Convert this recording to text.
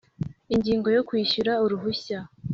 Ingingo ya Kwishyura uruhushya